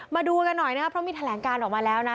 มาดูกันหน่อยนะครับเพราะมีแถลงการออกมาแล้วนะ